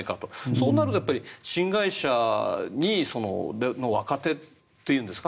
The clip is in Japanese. そうなると、新会社に若手というんですか。